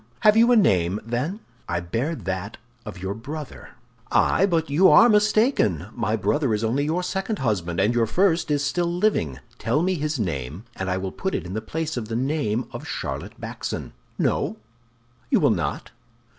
Have you a name, then?" "I bear that of your brother." "Ay, but you are mistaken. My brother is only your second husband; and your first is still living. Tell me his name, and I will put it in the place of the name of Charlotte Backson. No? You will not?